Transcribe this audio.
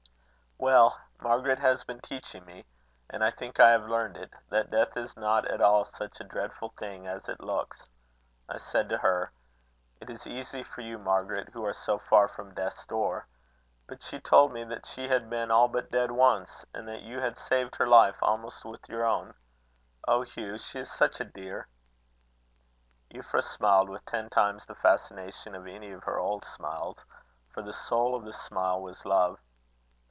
"Well, Margaret has been teaching me, and I think I have learned it, that death is not at all such a dreadful thing as it looks. I said to her: 'It is easy for you, Margaret, who are so far from death's door.' But she told me that she had been all but dead once, and that you had saved her life almost with your own. Oh, Hugh! she is such a dear!" Euphra smiled with ten times the fascination of any of her old smiles; for the soul of the smile was love.